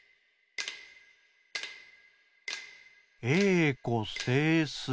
「えいこせいすい」。